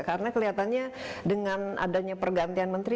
karena kelihatannya dengan adanya pergantian menteri